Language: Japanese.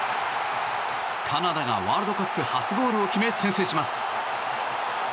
カナダがワールドカップ初ゴールを決め、先制します。